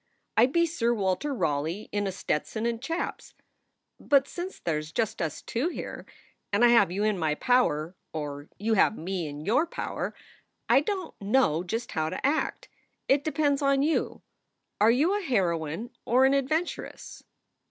I d be Sir Walter Raleigh in a Stetson and chaps. But since there s just us two here and I have you in my power or you have me in your power I don t know just how to act. It depends on you. Are you a heroine or an adventuress?"